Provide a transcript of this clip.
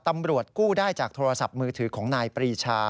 ตำรวจกู้ได้จากโทรศัพท์มือถือของนายปรีชา